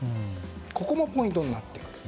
これもポイントになってきます。